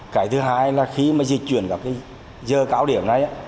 cái thứ hai là khi mà dịch chuyển vào cái giờ cao điểm này á